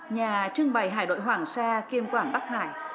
nhà trưng bày hải đội hoàng sa kiềm quản bắc hải